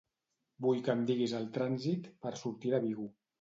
Vull que em diguis el trànsit per sortir de Vigo.